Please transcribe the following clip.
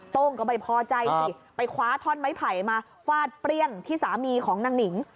โต้งก็ไม่พอใจสิไปคว้าท่อนไม้ไผ่มาฟาดเปรี้ยงที่สามีของนางหนิง